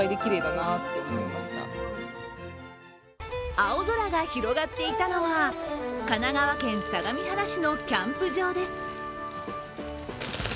青空が広がっていたのは神奈川県相模原市のキャンプ場です。